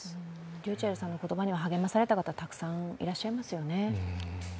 ｒｙｕｃｈｅｌｌさんの言葉で励まされた方たくさんいますよね。